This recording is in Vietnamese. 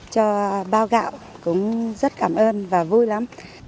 cho bao gạo cũng rất cảm ơn và vui lắm